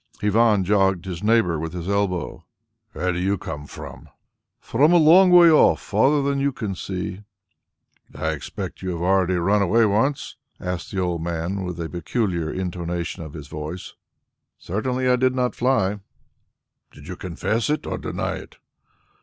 Ivan jogged his neighbour with his elbow. "Where do you come from?" "From a long way off; farther than you can see." "I expect you have already run away once?" asked the old man with a peculiar intonation of voice. "Certainly I did not fly." "Did you confess it or deny it?"